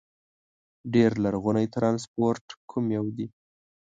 ډېر لرغونی ترانسپورت کوم یو دي؟